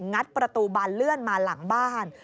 ัดประตูบานเลื่อนมาหลังบ้าน